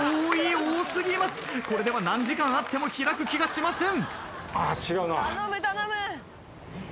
これでは何時間あっても開く気がしません。